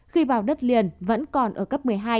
khi vào đất liền vẫn còn ở cấp một mươi hai